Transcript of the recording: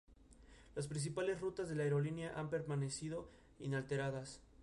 Las principales rutas de la aerolínea han permanecido inalteradas.